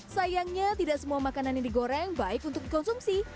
sayangnya tidak semua makanan yang digoreng baik untuk dikonsumsi